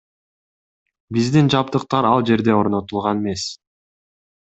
Биздин жабдыктар ал жерде орнотулган эмес.